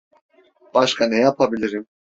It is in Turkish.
Başka ne yapabilirim?